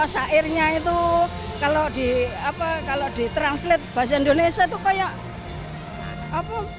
syairnya itu kalau ditranslate bahasa indonesia itu kayak